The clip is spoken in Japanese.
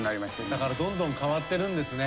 だからどんどん変わってるんですね。